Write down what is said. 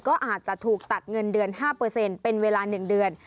ก็อาจจะถูกตัดเงินเดือน๕เป็นเวลา๑เดือน